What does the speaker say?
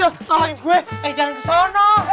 eh jangan ke sana